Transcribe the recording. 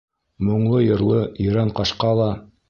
Моңло-йырлы Ерән ҡашҡа ла.